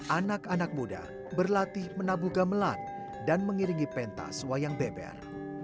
anak anak muda berlatih menabuh gamelan dan mengiringi pentas wayang beber